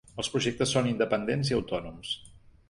Els projectes són independents i autònoms.